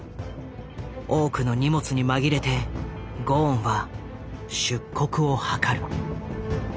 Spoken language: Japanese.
多くの荷物に紛れてゴーンは出国を図る。